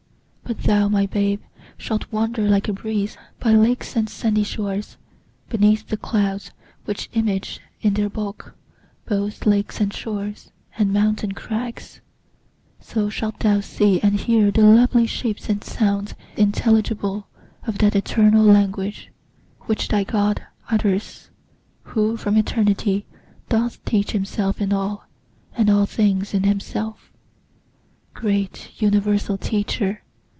But thou, my babe! shalt wander like a breeze By lakes and sandy shores, beneath the clouds, Which image in their bulk both lakes and shores And mountain crags: so shalt thou see and hear The lovely shapes and sounds intelligible Of that eternal language, which thy God Utters, who from eternity, doth teach Himself in all, and all things in himself. Great universal Teacher!